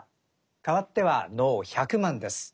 かわっては能「百万」です。